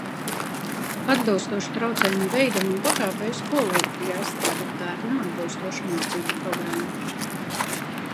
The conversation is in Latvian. Atbilstoši traucējumu veidam un pakāpei, skolai ir jāizstrādā bērnam atbilstoša mācību programma.